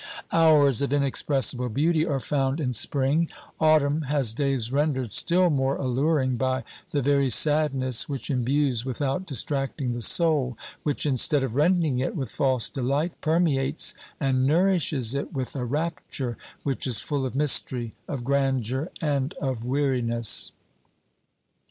Hours of inexpressible beauty are found in spring; autumn has days rendered still more alluring by the very sadness which imbues without distracting the soul, which, instead of rending it with false delight, permeates and nourishes it with a rapture which is full of mystery, of grandeur and of weariness.